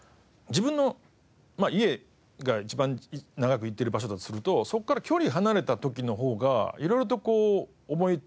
自分の家が一番長くいてる場所だとするとそこから距離離れた時の方が色々とこう思いつくんですよね。